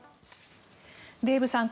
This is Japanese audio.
デーブさん